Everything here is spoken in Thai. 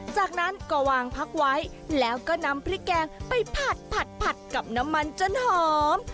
จากนั้นก็วางพักไว้แล้วก็นำพริกแกงไปผัดกับน้ำมันจนหอม